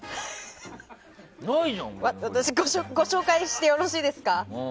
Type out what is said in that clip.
私、ご紹介してよろしいですか。